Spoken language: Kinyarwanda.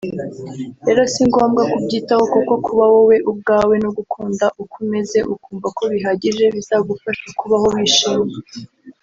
rero si ngombwa kubyitaho kuko kuba wowe ubwawe no gukunda uko umeze ukumva ko bihagije bizagufasha kubaho wishimye